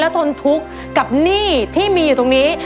ทนทุกข์กับหนี้ที่มีอยู่ตรงนี้